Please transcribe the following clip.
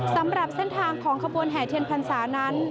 สำหรับเส้นทางของขบวนแห่เทียนพรรษานั้น